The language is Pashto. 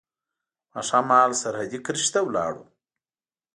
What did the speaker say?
ماښام مهال سرحدي کرښې ته ولاړو.